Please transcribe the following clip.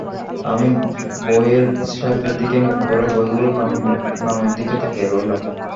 আমি বইয়ের শেলফের দিকে মুখ করে বইগুলোর নামের দিকে তাকিয়ে রইলুম।